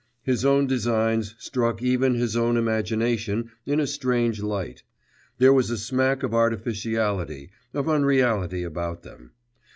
His own designs struck even his own imagination in a strange light; there was a smack of artificiality, of unreality about them.